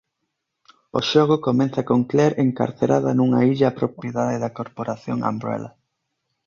O xogo comenza con Claire encarcerada nunha illa propiedade da corporación Umbrella.